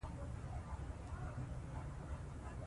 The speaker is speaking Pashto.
افغانستان د یورانیم د پلوه ځانته ځانګړتیا لري.